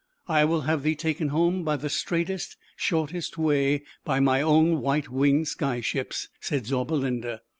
"I will have thee taken home by t straightest, shortest way, by my ow] white winged sky ships," said Zau linda.